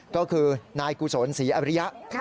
ก็คือนายกุศลศรีอริยะ